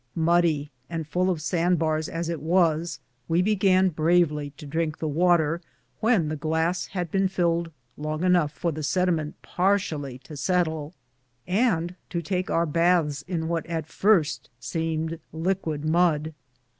Muddy and full of sand bars as it was, we began bravely to drink the water, when the glass had been filled long enough for the sediment partially to settle, and to take our bath in what at first seemed liquid mud.